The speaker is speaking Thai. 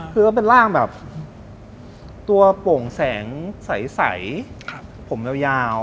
คือก็เป็นร่างแบบตัวโป่งแสงใสผมยาว